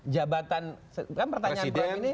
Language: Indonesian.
jabatan kan pertanyaan kami ini